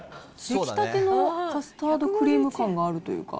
出来たてのカスタードクリーム感があるというか。